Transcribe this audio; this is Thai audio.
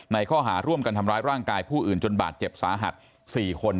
ข้อหาร่วมกันทำร้ายร่างกายผู้อื่นจนบาดเจ็บสาหัส๔คน